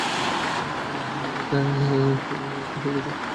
হ্যাঁ ওকে, এইতো হয়ে গেছে।